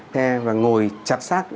xe và ngồi chặt xác